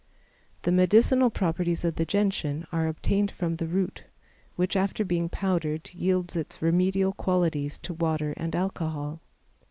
The medicinal properties of the Gentian are obtained from the root, which, after being powdered, yields its remedial qualities to water and alcohol.